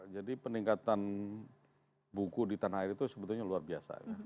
jadi peningkatan buku di tanah air itu sebetulnya luar biasa